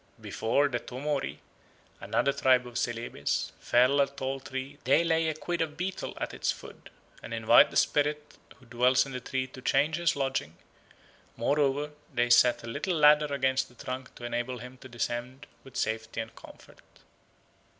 Before the Tomori, another tribe of Celebes, fell a tall tree they lay a quid of betel at its foot, and invite the spirit who dwells in the tree to change his lodging; moreover, they set a little ladder against the trunk to enable him to descend with safety and comfort.